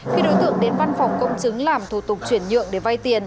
khi đối tượng đến văn phòng công chứng làm thủ tục chuyển nhượng để vay tiền